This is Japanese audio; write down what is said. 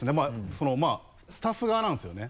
そのスタッフ側なんですよね。